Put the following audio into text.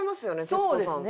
徹子さんと。